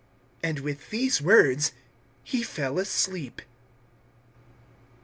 And with these words he fell asleep.